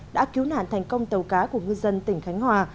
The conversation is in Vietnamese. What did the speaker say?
đã cứu nạn thành công tàu cá của ngư dân tỉnh khánh hòa